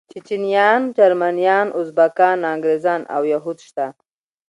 چيچنيايان، جرمنيان، ازبکان، انګريزان او يهود شته.